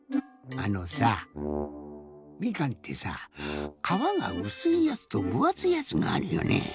あのさみかんってさかわがうすいやつとぶあついやつがあるよね。